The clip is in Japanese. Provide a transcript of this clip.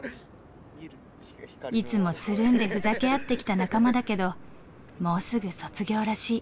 いつもつるんでふざけ合ってきた仲間だけどもうすぐ卒業らしい。